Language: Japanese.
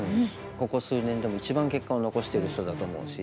ここ数年でも一番結果を残してる人だと思うし。